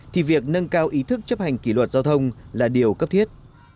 thì việc nâng cao ý thức chấp hành kỷ luật giao thông là điều cấp thiết